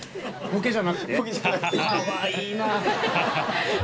ボケじゃなくて。